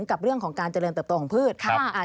กับเรื่องของการเจริญเติบโตของพืช